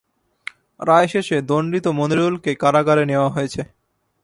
রায় শেষে দণ্ডিত মনিরুলকে কারাগারে নেওয়া হয়েছে।